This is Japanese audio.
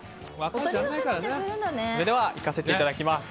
それではいかせていただきます。